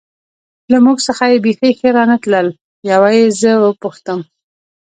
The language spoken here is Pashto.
له موږ څخه یې بېخي ښه نه راتلل، یوه یې زه و پوښتم.